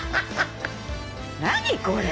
何これ。